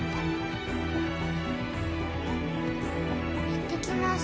いってきます。